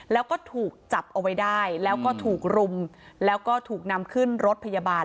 แล้วก็ถูกจับเอาไว้ได้แล้วก็ถูกรุมแล้วก็ถูกนำขึ้นรถพยาบาล